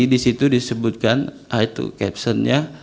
di situ disebutkan itu caption ya